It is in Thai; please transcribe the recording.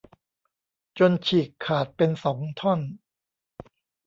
จนฉีกขาดเป็นสองท่อน